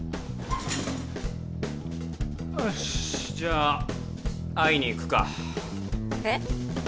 おしじゃあ会いに行くかえっ？